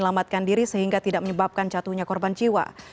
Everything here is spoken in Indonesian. menyelamatkan diri sehingga tidak menyebabkan jatuhnya korban jiwa